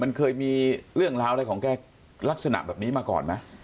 มันเคยมีเรื่องราวอะไรของแกลักษณะแบบนี้มาก่อนไหม